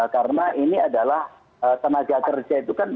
karena ini adalah tenaga kerja itu kan